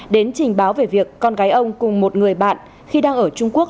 đến trình báo về việc con gái ông cùng một người bạn khi đang ở trung quốc